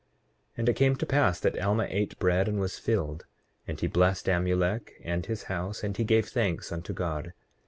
8:22 And it came to pass that Alma ate bread and was filled; and he blessed Amulek and his house, and he gave thanks unto God.